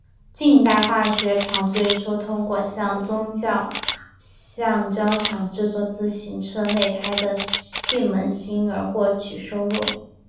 近代化学厂最初通过向宗家橡胶厂制作自行车内胎的气门芯而获取收入。